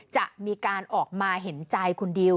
จะมีการออกมาเห็นใจคุณดิว